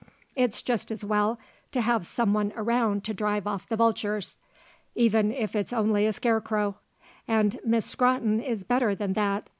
It's just as well to have someone around to drive off the vultures, even if it's only a scarecrow and Miss Scrotton is better than that.